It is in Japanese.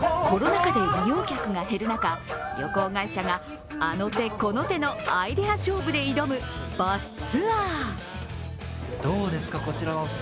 コロナ禍で利用客が減る中旅行会社があの手この手のアイデア勝負で挑むバスツアー。